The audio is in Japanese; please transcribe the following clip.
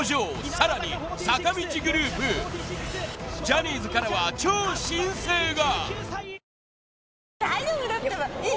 さらに坂道グループジャニーズからは超新星が！